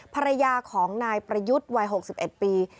ภรรยาของนายประยุทธ์วัยหกสิบเอ็ดปี